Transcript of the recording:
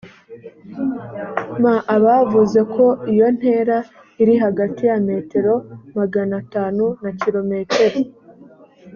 m abavuze ko iyo ntera iri hagati ya metero magana atanu na kilometero